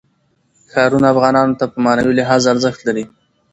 ښارونه افغانانو ته په معنوي لحاظ ارزښت لري.